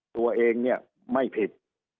ตัวเองเนี่ยไม่ผิด